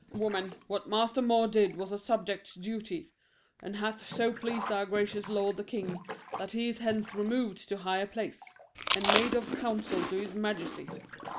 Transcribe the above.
Woman, what Master More did was a subject's duty, And hath so pleased our gracious lord the king, That he is hence removed to higher place, And made of council to his majesty.